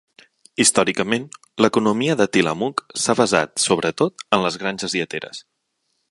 Històricament, l'economia de Tillamook s'ha basat sobretot en les granges lleteres.